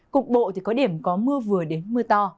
cục bộ thì có điểm có mưa vừa đến mưa to